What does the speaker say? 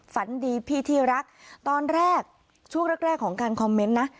ฝันดีพี่ที่รักตอนแรกช่วงแรกแรกของการคอมเมนต์นะ